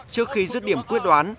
trước khi giấc điểm quyết đoán